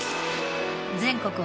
全国